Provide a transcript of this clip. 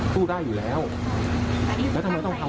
พี่เค้าแค่อยากมาขอโทษแหละ